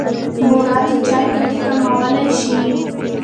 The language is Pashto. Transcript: بوره د چای ګټې کمولای شي.